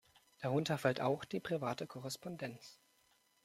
Darunter fällt auch die private Korrespondenz.